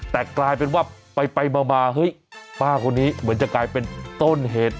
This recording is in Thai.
แต่กลายเป็นว่าไปมาเฮ้ยป้าคนนี้เหมือนจะกลายเป็นต้นเหตุ